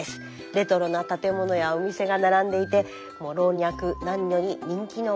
レトロな建物やお店が並んでいてもう老若男女に人気の場所です。